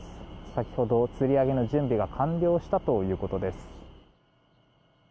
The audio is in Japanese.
先ほどつり上げの準備が完了したということです。